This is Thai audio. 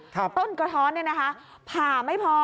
ต้นกระถอนผ่าไม่พอ